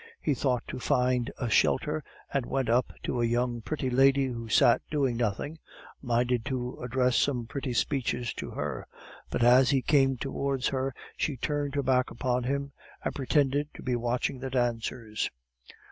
He thought to find a shelter, and went up to a young pretty lady who sat doing nothing, minded to address some pretty speeches to her; but as he came towards her, she turned her back upon him, and pretended to be watching the dancers.